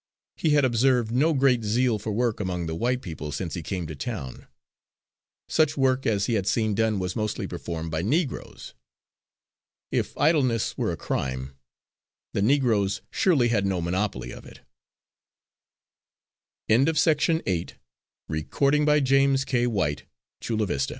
He had observed no great zeal for work among the white people since he came to town; such work as he had seen done was mostly performed by Negroes. If idleness were a crime, the Negroes surely had no monopoly of it. Nine Furnished with money for his keep, Peter was ordered if again molested